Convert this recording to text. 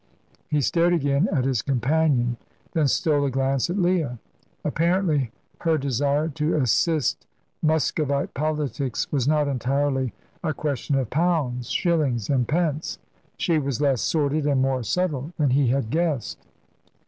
He stared again at his companion, then stole a glance at Leah. Apparently her desire to assist Muscovite politics was not entirely a question of pounds, shillings, and pence. She was less sordid and more subtle than he had guessed.